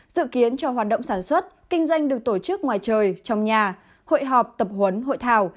dự kiến cho hoạt động sản xuất kinh doanh được tổ chức ngoài trời trong nhà hội họp tập huấn hội thảo